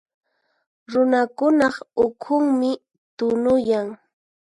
Runakunaq ukhunmi tunuyan.